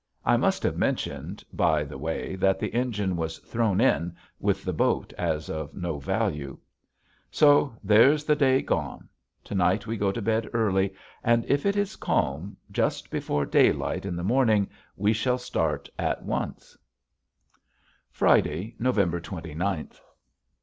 I must have mentioned, by the way, that the engine was "thrown in" with the boat as of no value. So there's the day gone. To night we go to bed early and if it is calm just before daylight in the morning we shall start at once. [Illustration: DRIFTWOOD] Friday, November twenty ninth.